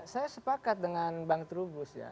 saya sepakat dengan bang terubus ya